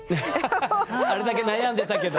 ハハハあれだけ悩んでたけど。